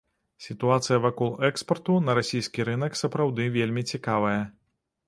Сітуацыя вакол экспарту на расійскі рынак сапраўды вельмі цікавая.